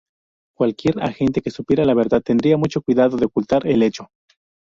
Cualquier agente que supiera la verdad tendría mucho cuidado de ocultar el hecho.